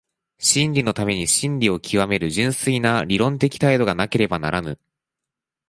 真理のために真理を究める純粋な理論的態度がなければならぬ。